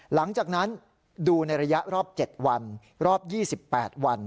หลังจากนั้นดูในระยะรอบ๗วันรอบ๒๘วัน